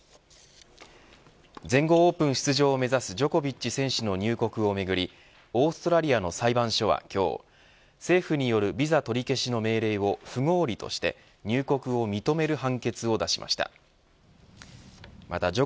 全豪オープン出場を目指すジョコビッチ選手の入国をめぐりオーストラリアの裁判所は今日政府によるビザ取り消しの命令を不合理として入国を認める判決を出しました。